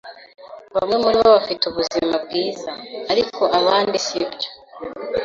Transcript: Bamwe muribo bafite ubuzima bwiza, ariko abandi sibyo.